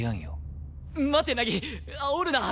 待て凪あおるな！